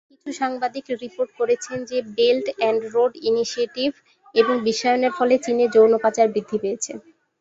কিছু সাংবাদিক রিপোর্ট করেছেন যে বেল্ট অ্যান্ড রোড ইনিশিয়েটিভ এবং বিশ্বায়নের ফলে চীনে যৌন পাচার বৃদ্ধি পেয়েছে।